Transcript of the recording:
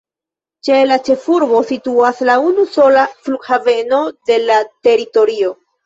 Ĉe la ĉefurbo situas la unusola flughaveno de la teritorio.